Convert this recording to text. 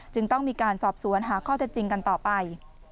ต้องมีการสอบสวนหาข้อเท็จจริงกันต่อไป